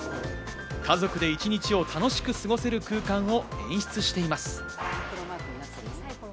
家族で一日を楽しく過ごせる空間を演出しています。